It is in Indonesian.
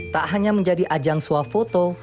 tak hanya menjadi ajang suah foto